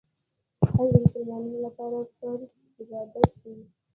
حج د مسلمانانو لپاره فرض عبادت دی.